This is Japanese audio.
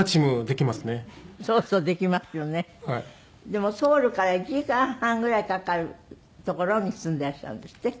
でもソウルから１時間半ぐらいかかる所に住んでらっしゃるんですって？